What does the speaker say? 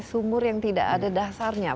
sumur yang tidak ada dasarnya